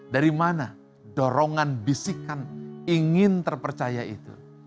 dari mana dorongan bisikan ingin terpercaya itu